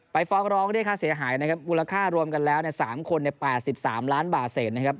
ฟ้องร้องเรียกค่าเสียหายนะครับมูลค่ารวมกันแล้ว๓คน๘๓ล้านบาทเศษนะครับ